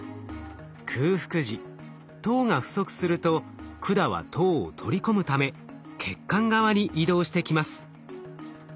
空腹時糖が不足すると管は糖を取り込むため血管側に移動してきます。